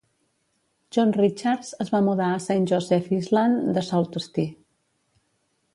John Richards es va mudar a Saint Joseph Island de Sault Ste.